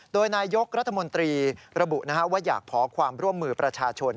โดยนายกรัฐมนตรีระบุว่าอยากขอความร่วมมือประชาชน